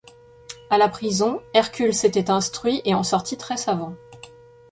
À la prison, Hercule s'était instruit et en sortit très savant.